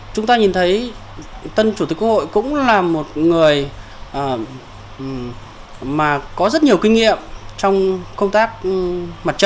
chúng ta nhìn thấy tân chủ tịch quốc hội cũng là một người mà có rất nhiều kinh nghiệm trong công tác mặt trận